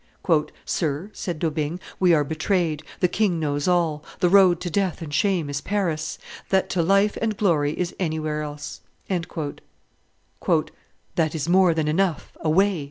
"Sir," said D'Aubigne, "we are betrayed; the king knows all; the road to death and shame is Paris; that to life and glory is anywhere else." "That is more than enough; away!"